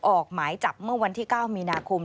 ออกหมายจับเมื่อวันที่๙มีนาคม